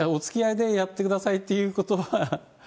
おつきあいでやってくださいということは。